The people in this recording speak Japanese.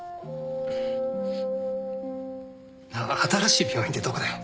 なあ新しい病院ってどこだよ？